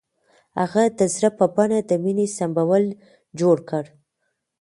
هغه د زړه په بڼه د مینې سمبول جوړ کړ.